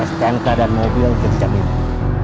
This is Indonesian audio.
stnk dan mobil jadi physical